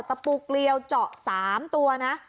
ตะปูเกลียวเจาะ๓ตัวนะ